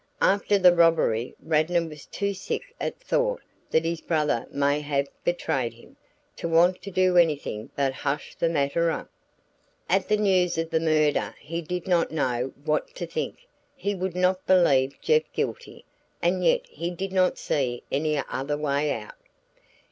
After the robbery Radnor was too sick at the thought that his brother may have betrayed him, to want to do anything but hush the matter up. At the news of the murder he did not know what to think; he would not believe Jeff guilty, and yet he did not see any other way out."